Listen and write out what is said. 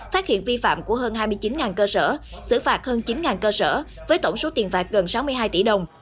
phát hiện vi phạm của hơn hai mươi chín cơ sở xử phạt hơn chín cơ sở với tổng số tiền phạt gần sáu mươi hai tỷ đồng